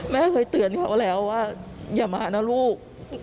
แม่เคยเตือนเขาแล้วว่าอย่ามานะลูก